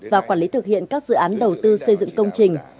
và quản lý thực hiện các dự án đầu tư xây dựng công trình